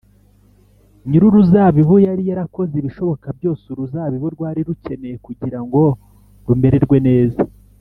nyir’uruzabibu yari yarakoze ibishoboka byose uruzabibu rwari rukeneye kugira ngo rumererwe neza